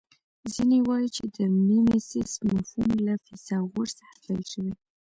ځینې وايي چې د میمیسیس مفهوم له فیثاغورث څخه پیل شوی